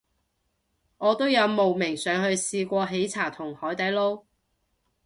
我都有慕名上去試過喜茶同海底撈